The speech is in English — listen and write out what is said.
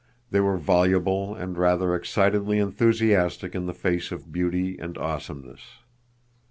They were voluble and rather excitedly enthusiastic in the face of beauty and awesomeness.